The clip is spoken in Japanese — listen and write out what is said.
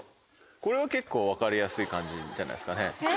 これは結構分かりやすい感じじゃないですかね。